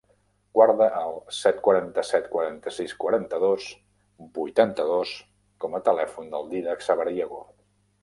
Guarda el set, quaranta-set, quaranta-sis, quaranta-dos, vuitanta-dos com a telèfon del Dídac Sabariego.